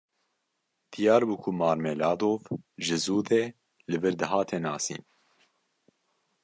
Diyar bû ku Marmeladov ji zû de li vir dihate nasîn.